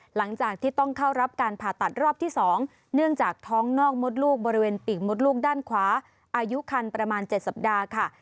หลังจากที่ต้องเข้ารับการผ่าตัดรอบที่๒เนื่องจากท้องนอกมดลูกบริเวณปีกมดลูกด้านขวาอายุคันประมาณ๗สัปดาห์ค่ะ